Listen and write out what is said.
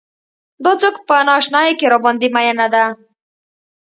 دا څوک په نا اشنايۍ کې راباندې مينه ده.